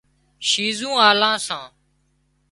شِيزون آلان سان